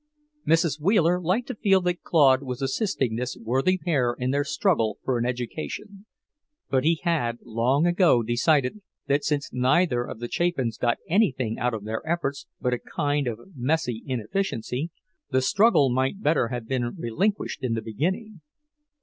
Mrs. Wheeler liked to feel that Claude was assisting this worthy pair in their struggle for an education; but he had long ago decided that since neither of the Chapins got anything out of their efforts but a kind of messy inefficiency, the struggle might better have been relinquished in the beginning.